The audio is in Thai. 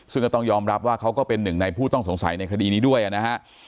ซึ่งก็ต้องยอมรับว่าเขาก็เป็นหนึ่งในผู้ต้องสงสัยในคดีนี้ด้วยนะฮะ